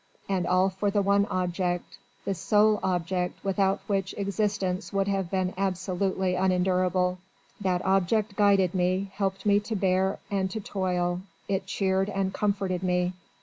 And all for the one object the sole object without which existence would have been absolutely unendurable. That object guided me, helped me to bear and to toil, it cheered and comforted me!